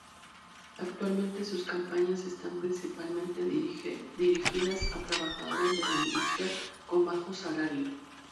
Actualmente sus campañas están principalmente dirigidas a trabajadores de la industria con bajos salarios.